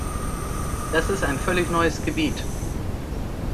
Das ist ein völlig neues Gebiet.